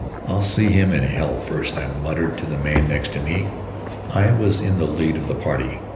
"I'll see him in hell first," I muttered to the man next me. I was in the lead of the party.